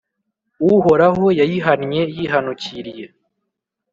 Uhoraho yayihannye yihanukiriye,